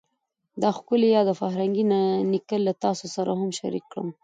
دا ښکلی یاد او فرهنګي نکل له تاسو سره هم شریک کړم